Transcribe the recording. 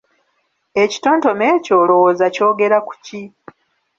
Ekitontome ekyo olowooza kyogera ku ki?